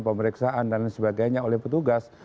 pemeriksaan dan sebagainya oleh petugas